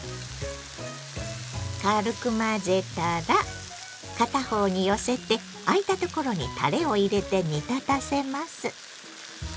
軽く混ぜたら片方に寄せてあいたところにたれを入れて煮立たせます。